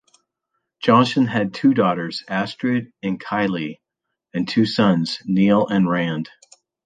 Johnson had two daughters, Astrid and Ky-Leigh, and two sons, Neil and Rand.